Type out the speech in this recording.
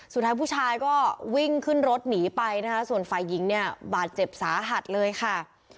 สุดท้ายผู้ชายก็วิ่งขึ้นรถหนีไปนะคะส่วนฝ่ายหญิงเนี่ยบาดเจ็บสาหัสเลยค่ะ